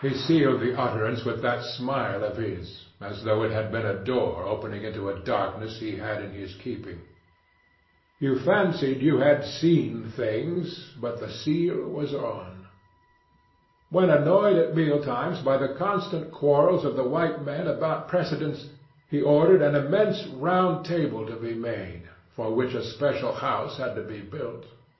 He sealed the utterance with that smile of his, as though it had been a door opening into a darkness he had in his keeping. You fancied you had seen things but the seal was on. When annoyed at meal times by the constant quarrels of the white men about precedence, he ordered an immense round table to be made, for which a special house had to be built.